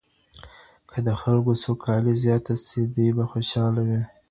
که د خلګو سوکالي زیاته سي دوی به خوشحاله وي.